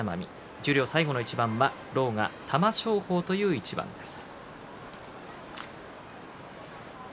十両最後の一番は狼雅、玉正鳳の一番です。